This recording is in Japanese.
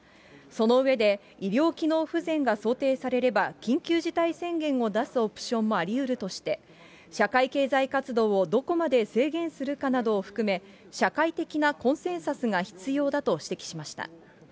その上で、医療機能不全が想定されれば、緊急事態宣言を出すオプションもありうるとして、社会経済活動をどこまで制限するかなどを含め、社会的なコンセンサスが必要だと指摘しました。